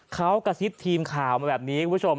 เขากระซิบทีมข่าวมาแบบนี้คุณผู้ชม